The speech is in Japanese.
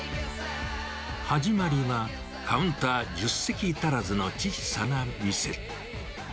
はじまりはカウンター１０席足らずの小さな店。